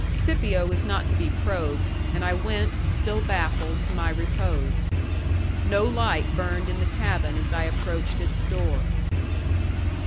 Scipio was not to be probed; and I went, still baffled, to my repose. No light burned in the cabin as I approached its door.